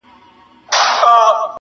چي د ظلم په پیسو به دي زړه ښاد وي!.